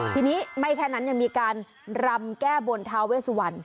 ทีนี้ไม่แค่นั้นยังมีการรำแก้บนทาเวสวัน